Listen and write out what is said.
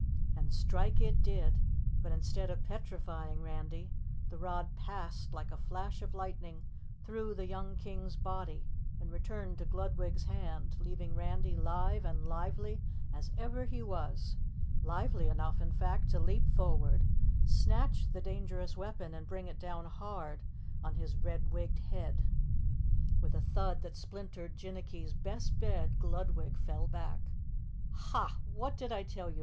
And strike it did, but instead of petrifying Randy, the rod passed like a flash of lightning through the young King's body and returned to Gludwig's hand, leaving Randy live and lively as ever he was, lively enough in fact to leap forward, snatch the dangerous weapon and bring it down hard on his red wigged head. With a thud that splintered Jinnicky's best bed, Gludwig fell back. "Hah! What did I tell you?"